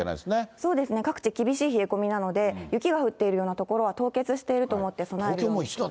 そうですね、各地、厳しい冷え込みなので、雪が降っているような所は凍結していると思って備えてください。